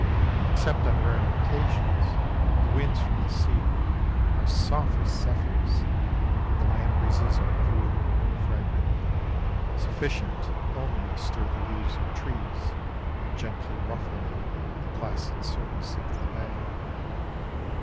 Except on rare occasions, the winds from the sea are softest zephyrs, the land breezes are cool and fragrant, sufficient only to stir the leaves of trees and gently ruffle the placid surface of the bay.